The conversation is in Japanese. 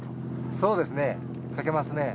そうですねかけますね。